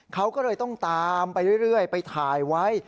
เขาก็เลยต้องตามไปเรื่อยไปถ่ายไว้